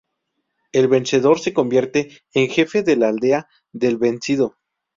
El vencedor se convierte en jefe de la aldea del vencido.